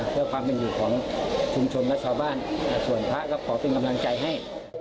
เพื่อความเป็นอยู่ของชุมชนและชาวบ้านส่วนพระก็ขอเป็นกำลังใจให้